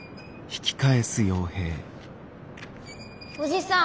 おじさん。